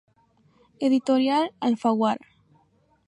Editorial Alfaguara.